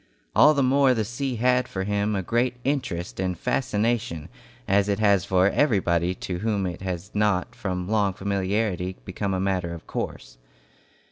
All the more the sea had for him a great interest and fascination, as it has for everybody to whom it has not from long familiarity become a matter of course.